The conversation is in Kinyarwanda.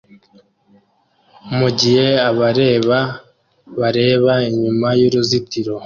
mugihe abarebera bareba inyuma yuruzitiro